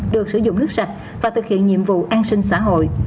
được sử dụng nước sạch và thực hiện nhiệm vụ an sinh xã hội